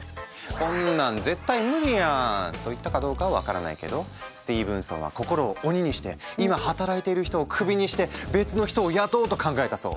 こんなん絶対無理やんと言ったかどうかは分からないけどスティーブンソンは心を鬼にして今働いている人をクビにして別の人を雇おうと考えたそう。